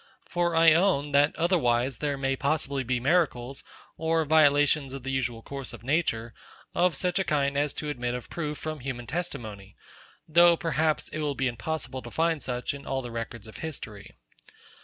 For I own, that otherwise, there may possibly be miracles, or violations of the usual course of nature, of such a kind as to admit of proof from human testimony; though, perhaps, it will be impossible to find any such in all the records of history.